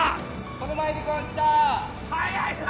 この前離婚した早いな！